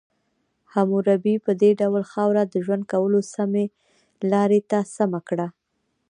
حموربي په دې ډول خاوره د ژوند کولو سمې لارې ته سمه کړه.